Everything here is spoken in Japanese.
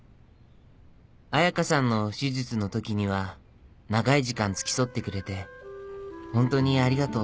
彩佳さんの手術のときには長い時間付き添ってくれてホントにありがとう。